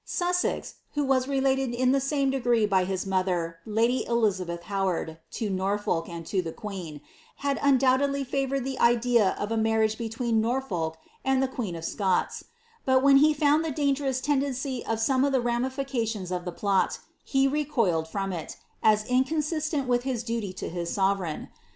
Sussex, who was related in the same degree by his mo lady Elizabeth Howard, to Norfolk and lo the queen, had undoubi Isvoured the idea of a marriage between Norfolk and the quee Scots; but when he found the dangerous tendency of some of the I fications of the plot, he recoiled from it, as inconsistent with his du his sovereign.'